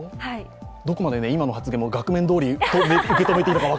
今の発言も額面どおりと受け止めていいのか？